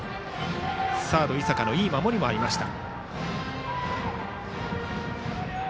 サード井坂のいい守りもありました。